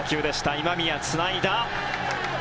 今宮、つないだ。